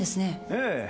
ええ。